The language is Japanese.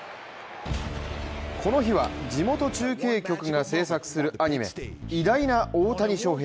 この日は地元中継局が制作するアニメ「偉大な大谷翔平」